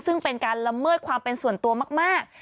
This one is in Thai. ซึ่งเป็นการละเมิดความเป็นส่วนตัวมาก